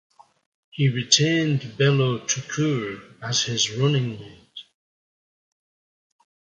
He retained Bello Tukur as his running mate.